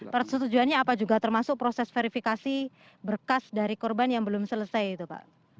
persetujuannya apa juga termasuk proses verifikasi berkas dari korban yang belum selesai itu pak